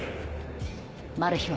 マル被は？